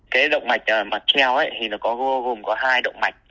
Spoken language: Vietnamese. cái động mạch mạc treo thì nó gồm có hai động mạch